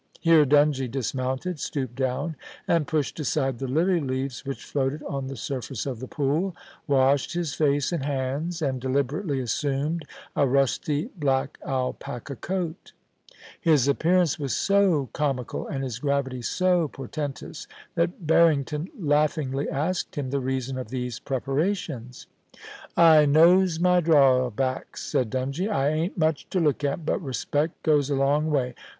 Here Dungie dianounted, stooped down, and pushed aside the lily leaves which floated on the surface of the pool, washed his face and hinds, and deliberately assumed a rusty black alpaca coat His appear ance was so comical and his gravity so portentous, that Har rington laughingly asked him the reason of these preparations. * I knows my drawbacks,' said Dungie. * I ain't much to look at ; but respect goes a long way.